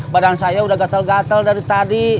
badan saya udah gatel gatel dari tadi